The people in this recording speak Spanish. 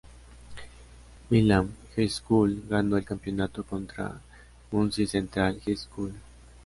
Milan High School ganó el campeonato contra Muncie Central High School.